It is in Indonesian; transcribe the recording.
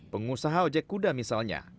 pengusaha ojek kuda misalnya